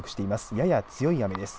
やや強い雨です。